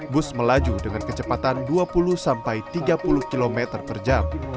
bus melaju dengan kecepatan dua puluh sampai tiga puluh km per jam